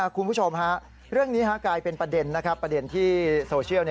คุณผู้ชมเรื่องนี้กลายเป็นประเด็นที่โซเชียล